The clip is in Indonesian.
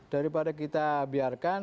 daripada kita biarkan